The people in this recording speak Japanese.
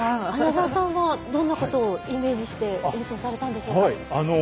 穴澤さんはどんなことをイメージして演奏されたんでしょうか？